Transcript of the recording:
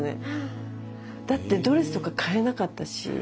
だってドレスとか買えなかったし。